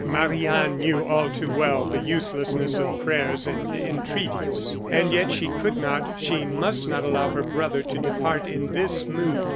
Marie Anne knew all too well the uselessness of prayers and entreaties. And yet she could not, she must not allow her brother to depart in this mood.